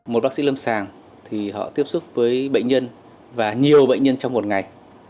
một bác sĩ lâm sàng thì họ tiếp xúc với bệnh nhân và nhiều bệnh nhân trong một ngày